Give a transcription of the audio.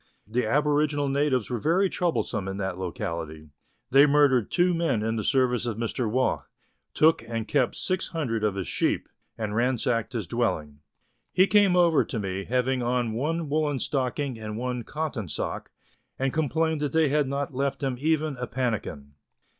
The aboriginal natives were very troublesome in that locality ; they murdered two men in the service of Mr. Waugh, took and kept six hundred of his sheep, and ransacked his dwelling. He came over to me, having on one woollen stocking and one cotton sock, and com plained that they had not left him even a pannikin.